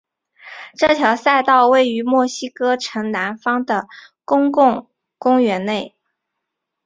这条赛道位于墨西哥城南方的的公共公园内。